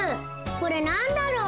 これなんだろう？